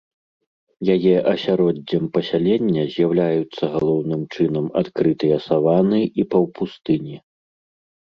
Яе асяроддзем пасялення з'яўляюцца галоўным чынам адкрытыя саваны і паўпустыні.